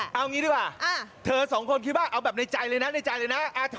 เอาอย่างนี้ดีกว่าเธอ๒คนคิดว่าเอาแบบในใจเลยนะ